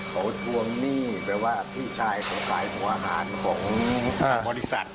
เขาทวงหนี้แปลว่าพี่ชายเขาขายหัวอาหารของบริษัท